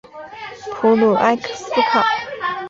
普卢埃斯卡。